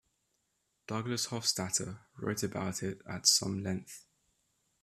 Douglas Hofstadter wrote about it at some length.